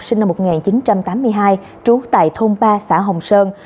sinh năm một nghìn chín trăm tám mươi hai trú tại thôn ba xã hồng sơn